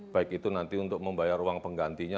baik itu nanti untuk membayar uang penggantinya